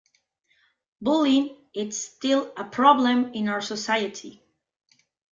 Bullying is still a problem in our society.